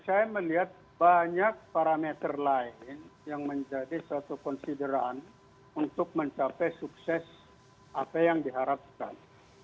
saya melihat banyak parameter lain yang menjadi suatu konsideran untuk mencapai sukses apa yang diharapkan